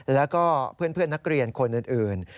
แล้วก็เพื่อนนักเรียนคนอื่น